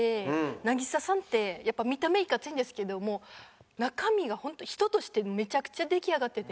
渚さんってやっぱ見た目いかついんですけどもう中身がホント人としてめちゃくちゃ出来上がってて。